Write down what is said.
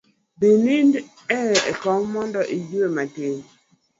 Dhi nind e kom mondo iyue matin